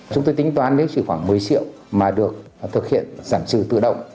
chúng tôi tính toán nếu chỉ khoảng một mươi triệu mà được thực hiện giảm trừ tự động